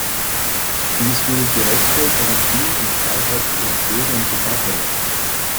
Dies würde die Rechte, Garantien und Freiheiten ihrer Bürger in Gefahr bringen.